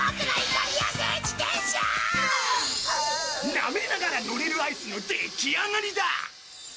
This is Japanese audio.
舐めながら乗れるアイスのできあがりだ！